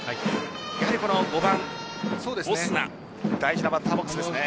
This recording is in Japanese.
やはり５番・オスナ大事なバッターボックスですね。